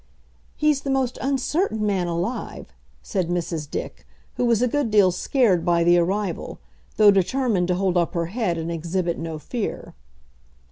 "He's the most uncertain man alive," said Mrs. Dick, who was a good deal scared by the arrival, though determined to hold up her head and exhibit no fear.